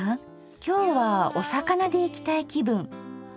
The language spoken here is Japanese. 今日はお魚でいきたい気分。